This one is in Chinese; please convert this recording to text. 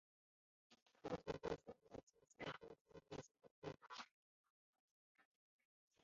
普通田鼠为仓鼠科田鼠属的动物。